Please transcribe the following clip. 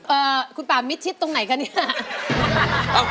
อ่าคุณป๊ามิดชิดที่ไหนยังไงล่ะ